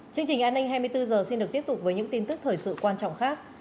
chương trình an ninh hai mươi bốn h xin được tiếp tục với những tin tức thời sự quan trọng khác